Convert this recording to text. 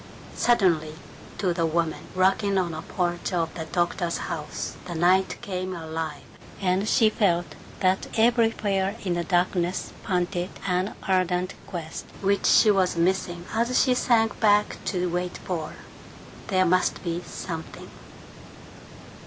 Suddenly, to the woman rocking on the porch of the doctor's house, the night came alive, and she felt that everywhere in the darkness panted an ardent quest which she was missing as she sank back to wait for There must be something.